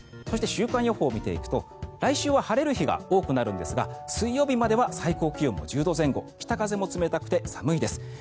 そして週間予報を見ていくと来週は晴れる日が多くなるんですが水曜日までは最高気温も１０度前後北風も冷たくて寒いです。